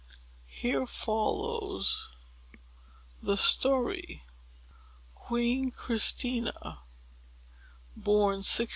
Here follows the story. QUEEN CHRISTINA BORN 1626.